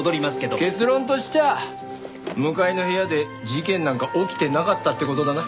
結論としちゃ向かいの部屋で事件なんか起きてなかったって事だな。